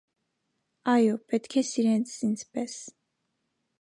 - Այո, պետք է սիրես ինձ պես.